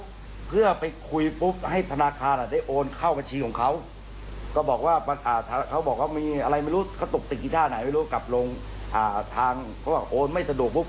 เขาตกติดกีธ่าไหนไม่รู้กลับลงทางเพราะว่าโอนไม่สะดวก